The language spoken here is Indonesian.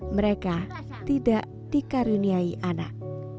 mereka tidak dikaryuniai anak